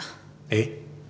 えっ？